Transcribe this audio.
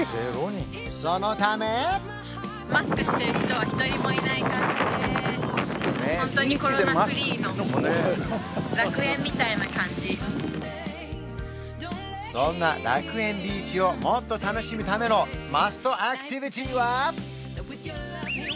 そのためそんな楽園ビーチをもっと楽しむためのマストアクティビティは？